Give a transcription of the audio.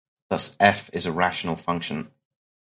Thus "f" is a rational function.